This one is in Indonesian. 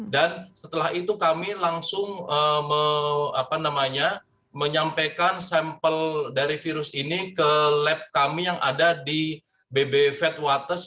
dan setelah itu kami langsung menyampaikan sampel dari virus ini ke lab kami yang ada di bb vetwaters